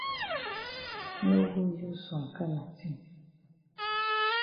No go use some kana tin.